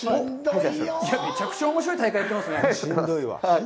めちゃくちゃおもしろい大会をやってますね。